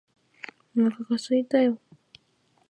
お腹がすいたよ